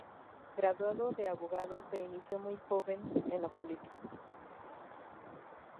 Graduado de abogado, se inició muy joven en la política.